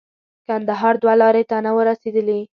کندهار دوه لارې ته نه وو رسېدلي.